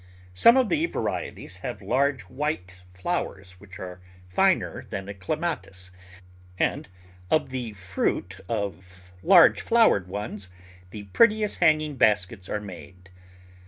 Some of the varieties have large white flowers which are finer than a Clematis, and of the fruit of large flowered ones the prettiest hanging baskets are made.